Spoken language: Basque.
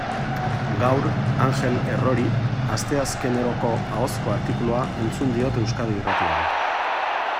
Gaur Angel Errori asteazkeneroko ahozko artikulua entzun diot Euskadi Irratian.